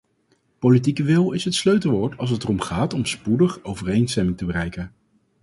Politieke wil is het sleutelwoord als het erom gaat om spoedig overeenstemming te bereiken.